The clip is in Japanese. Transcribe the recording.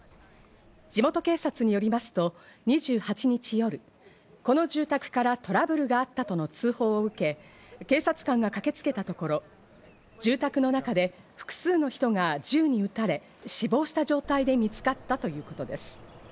地元警察によりますと、２８日夜、この住宅からトラブルがあったとの通報を受け、警察官が駆けつけたところ、住宅の中で複数の人が銃に撃たれ、死亡した状態で見つかったということです。